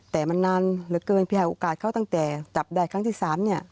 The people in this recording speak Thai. แต่มันนานเหลือเกินพี่ให้โอกาสเขาตั้งแต่จับได้ครั้งที่๓เนี่ย